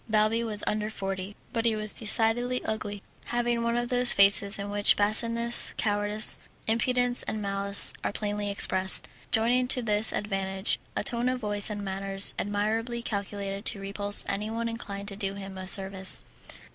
Balbi was under forty, but he was decidedly ugly, having one of those faces in which baseness, cowardice, impudence, and malice are plainly expressed, joining to this advantage a tone of voice and manners admirably calculated to repulse anyone inclined to do him a service.